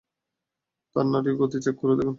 তার নাড়ির গতি চেক করে দেখুন।